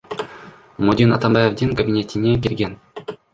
Модин Атамбаевдин кабинетине кирген.